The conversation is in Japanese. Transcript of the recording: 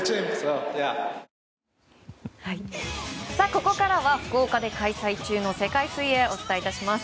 ここからは福岡で開催中の世界水泳をお伝えいたします。